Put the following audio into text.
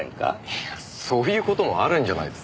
いやそういう事もあるんじゃないですか？